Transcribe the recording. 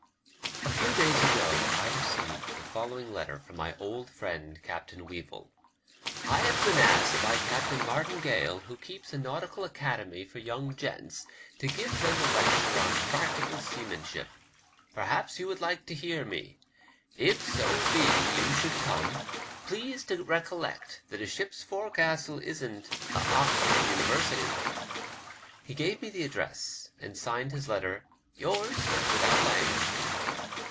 A FEW days ago I received the following letter from my old friend Captain Weevil: — "I have been asked by Captain Martin Gale, who keeps a nautical academy for young gents, to give them a lecture on practical seaman ship. Perhaps you would like to hear me. If so be you should come, please to recollect that a ship's forecastle isn't a Oxford University." He gave me the address, and signed his letter, '^ Yours, without language."